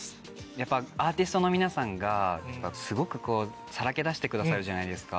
やっぱアーティストの皆さんがすごくさらけ出してくださるじゃないですか。